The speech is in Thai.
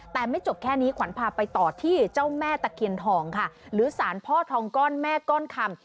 แต่ไม่จบแค่นี้ขวัญพาไปต่อที่เจ้าแม่ตะเคียนทองค่ะหรือสารพ่อทองก้อนแม่ก้อนคำ